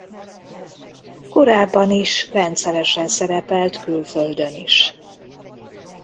Korábban is rendszeresen szerepelt külföldön is.